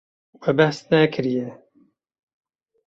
We behs nekiriye.